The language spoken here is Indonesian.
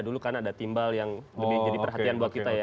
dulu kan ada timbal yang lebih jadi perhatian buat kita ya